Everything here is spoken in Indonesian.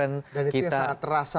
dan itu yang sangat terasa